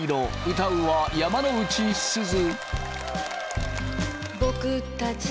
歌うは山之内すず。